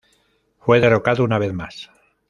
Fue derrocado una vez más.